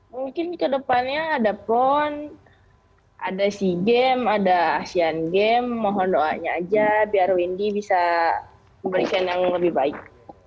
mungkin kedepannya ada pon ada sea games ada asean games mohon doanya aja biar wendy bisa memberikan yang lebih baik